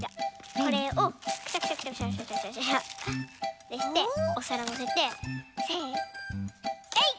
これをクシャクシャクシャクシャってしておさらのせてせのえい！